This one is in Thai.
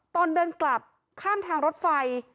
ตอนเดินกลับข้ามทางรถไฟ